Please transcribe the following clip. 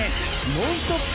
ノンストップ！